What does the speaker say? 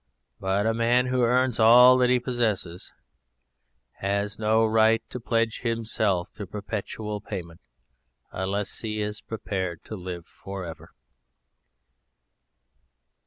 But a man who earns all that he possesses has no right to pledge himself to perpetual payment unless he is prepared to live for ever!"